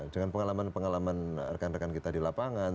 dengan pengalaman pengalaman rekan rekan kita di lapangan